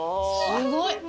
すごい。